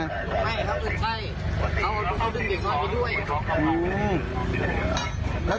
ไม่ครับเด็กใครเขาดึงเด็กน้อยไปด้วย